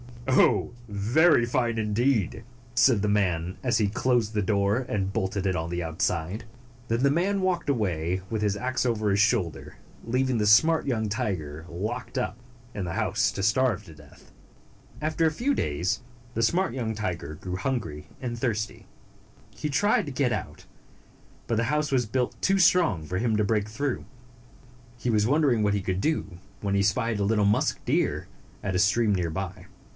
"Oh, very fine, indeed!" said the man, as he closed the door and bolted it on the outside. Then the man walked away, with his ax over his shoulder, leaving the smart young tiger locked up in the house to starve to death. After a few days, the smart young tiger grew hungry and thirsty. He tried and tried to get out, but the house was built too strong for him to break through. He was wondering what he 139 140 could do, when he spied a little musk deer at a stream near by.